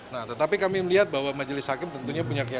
nah tetapi kami melihat bahwa majelis hakim tentunya punya keyak